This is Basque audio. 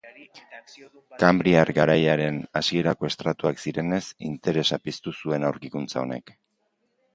Kanbriar garaiaren hasierako estratuak zirenez interesa piztu zuen aurkikuntza honek.